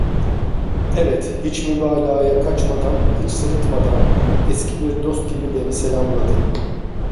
Evet, hiç mübalağaya kaçmadan, hiç sırıtmadan, eski bir dost gibi beni selamladı.